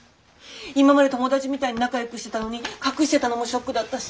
今まで友達みたいに仲良くしてたのに隠してたのもショックだったし。